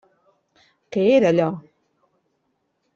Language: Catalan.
Què era allò?